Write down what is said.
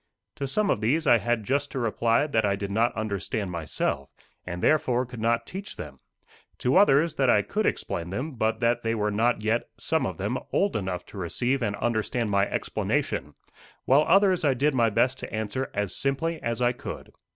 To some of these I had just to reply that I did not understand myself, and therefore could not teach them; to others, that I could explain them, but that they were not yet, some of them, old enough to receive and understand my explanation; while others I did my best to answer as simply as I could.